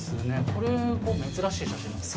これが珍しい写真なんですか？